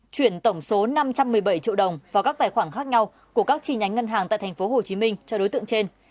chuyển tổng số năm trăm một mươi bảy triệu đồng vào các tài khoản khác nhau của các chi nhánh ngân hàng tại thành phố hồ chí minh cho đối tượng trên